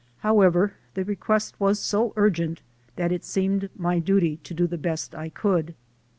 However, the request was so urgent that it seemed my duty to do the best I could.